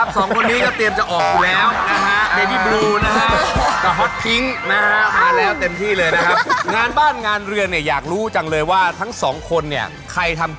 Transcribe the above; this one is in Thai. แสดงความรู้ใจคว้าไปก่อนหนึ่งหัวใจ